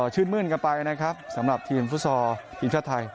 ชื่นมื้นกันไปนะครับสำหรับทีมฟุตซอลทีมชาติไทย